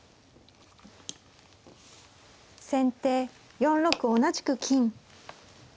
先手４六同じく金。